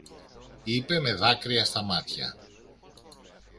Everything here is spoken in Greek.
είπε με δάκρυα στα μάτια.